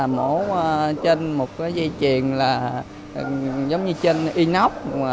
một dây truyền là giống như trên inox